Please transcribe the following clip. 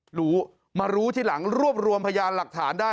รู้มารู้ทีหลังรวบรวมพยานหลักฐานได้